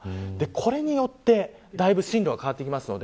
これによって進路が変わってきます。